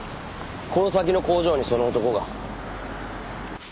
この先の工場にその男が。